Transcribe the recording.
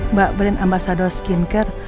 mbak beren ambasador skincare